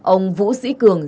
bốn ông vũ sĩ cường